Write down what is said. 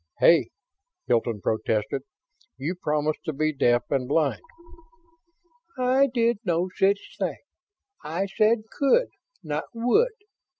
"Hey!" Hilton protested. "You promised to be deaf and blind!" "I did no such thing. I said 'could', not 'would'.